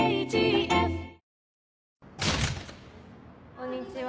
こんにちは。